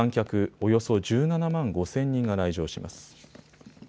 およそ１７万５０００人が来場します。